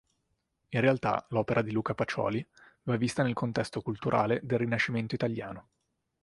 In realtà l'opera di Luca Pacioli va vista nel contesto culturale del Rinascimento italiano.